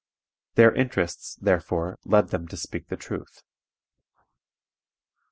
Their interests, therefore, led them to speak the truth.